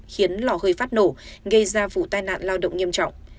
khiến lò hơi phát nổ gây ra vụ tai nạn lao động nghiêm trọng